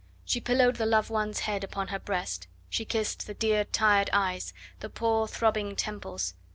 She pillowed the loved one's head upon her breast, she kissed the dear, tired eyes, the poor throbbing temples.